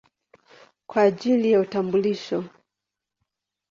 kwa ajili ya utambulisho.